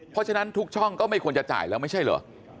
เพราะฉะนั้นทุกช่องก็ไม่ควรจะจ่ายแล้วไม่ใช่เหรอ